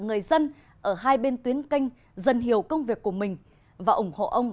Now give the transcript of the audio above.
người dân ở hai bên tuyến canh dân hiểu công việc của mình và ủng hộ ông